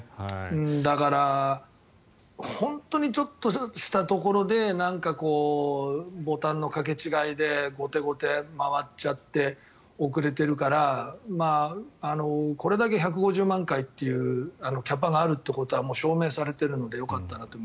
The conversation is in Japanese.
だから、本当にちょっとしたところでなんかボタンの掛け違いで後手後手に回っちゃって遅れているからこれだけ１５０万回というキャパがあるということはもう証明されているのでよかったなと思う。